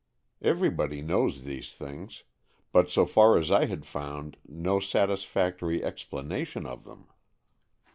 Everybody knows these things, but so far I had found no satis factory explanation of them.